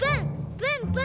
プンプン！